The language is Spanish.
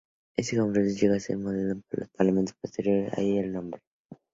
Esta composición llegó a ser el modelo para parlamentos posteriores, de ahí el nombre.